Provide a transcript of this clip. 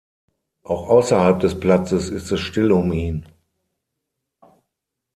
Auch außerhalb des Platzes ist es still um ihn.